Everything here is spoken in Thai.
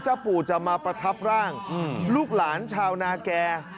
ปู่จะมาประทับร่างลูกหลานชาวนาแก่